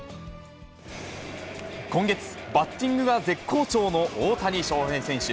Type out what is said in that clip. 今月、バッティングが絶好調の大谷翔平選手。